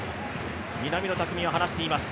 南野拓実は話しています。